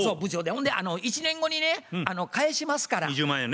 ほんで１年後にね返しますから２０万を。